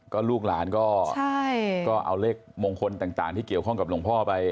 ก็ลูกหลานก็เอาเลขมงคลต่างที่เกี่ยวข้องกับหลวงพ่อไป